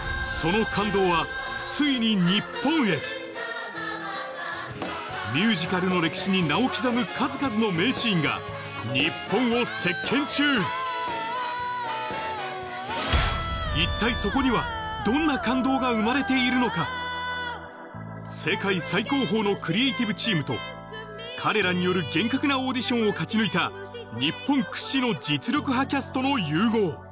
そのミュージカルの歴史に名を刻む数々の名シーンが日本を席巻中一体そこには世界最高峰のクリエイティブチームと彼らによる厳格なオーディションを勝ち抜いた日本屈指の実力派キャストの融合